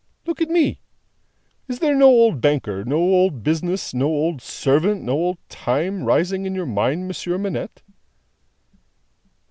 Look at me. Is there no old banker, no old business, no old servant, no old time, rising in your mind, Monsieur Manette?"